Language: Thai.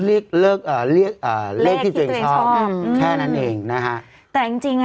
ซื้อเลขเลขอ่าเลขที่ตัวเองชอบอืมแค่นั้นเองนะคะแต่จริงจริงอ่ะ